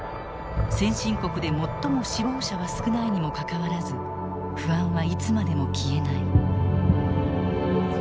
先進国で最も死亡者は少ないにもかかわらず不安はいつまでも消えない。